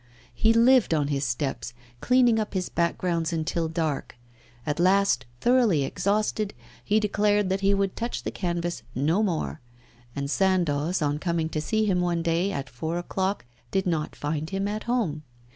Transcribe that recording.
He lived on his steps, cleaning up his backgrounds until dark. At last, thoroughly exhausted, he declared that he would touch the canvas no more; and Sandoz, on coming to see him one day, at four o'clock, did not find him at home.